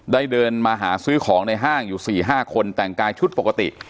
เดินมาหาซื้อของในห้างอยู่๔๕คนแต่งกายชุดปกติ